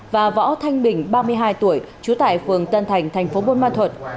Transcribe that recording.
và võ thanh bình ba mươi hai tuổi chú tại phường tân thành tp bôn ma thuật